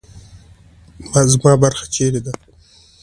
زما برخه چیرې ده؟